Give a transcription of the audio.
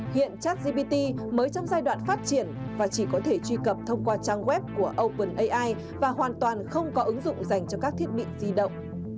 hiện chát cpt mới trong giai đoạn phát triển và chỉ có thể truy cập thông qua trang web của openai và hoàn toàn không có ứng dụng dành cho các thiết bị di động